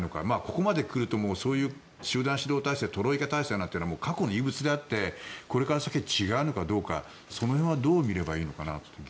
ここまで来るとそういう集団指導体制トロイカ体制は過去の遺物であってこれから先は違うのかどうかその辺はどう見ればいいのかなと。